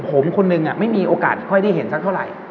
ผมคนนึงไม่มีโอกาสค่อยได้เห็นสักเท่าไหร่